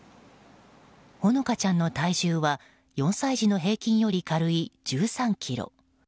ほのかちゃんの体重は４歳児の平均より軽い１３ｋｇ。